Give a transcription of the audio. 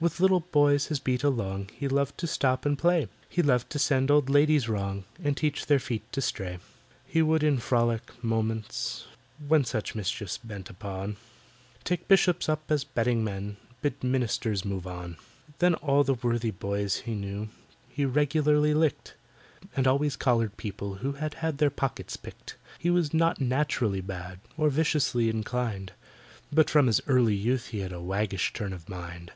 With little boys his beat along He loved to stop and play; He loved to send old ladies wrong, And teach their feet to stray. He would in frolic moments, when Such mischief bent upon, Take Bishops up as betting men— Bid Ministers move on. Then all the worthy boys he knew He regularly licked, And always collared people who Had had their pockets picked. He was not naturally bad, Or viciously inclined, But from his early youth he had A waggish turn of mind.